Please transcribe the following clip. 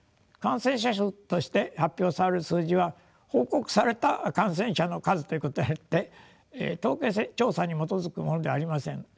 「感染者数」として発表される数字は「報告された感染者の数」ということであって統計調査にもとづくものではありません。